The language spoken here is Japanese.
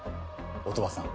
音羽さん